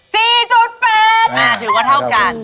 ถือว่าเท่ากัน